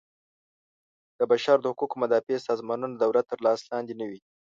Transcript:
د بشر د حقوقو مدافع سازمانونه د دولت تر لاس لاندې نه وي.